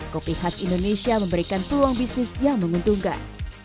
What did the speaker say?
kopi khas indonesia memberikan peluang bisnis yang menguntungkan